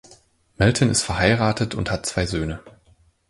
Melton ist verheiratet und hat zwei Söhne.